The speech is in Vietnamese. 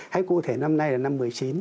hãy cụ thể năm nay là năm một mươi chín